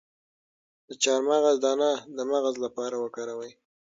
د چارمغز دانه د مغز لپاره وکاروئ